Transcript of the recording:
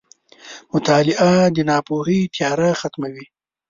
• مطالعه د ناپوهۍ تیاره ختموي.